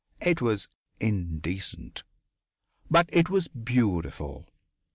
It was indecent, but it was beautiful.